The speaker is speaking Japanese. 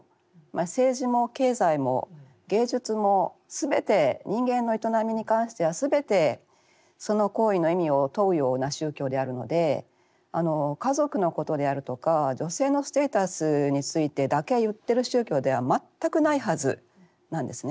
政治も経済も芸術もすべて人間の営みに関してはすべてその行為の意味を問うような宗教であるので家族のことであるとか女性のステータスについてだけ言ってる宗教では全くないはずなんですね。